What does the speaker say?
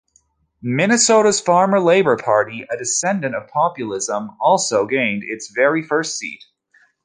Minnesota's Farmer-Labor Party, a descendant of populism, also gained its very first seat.